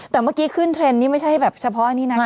แต่เมื่อกี้ขึ้นเทรนด์นี่ไม่ใช่แบบเฉพาะอันนี้นะ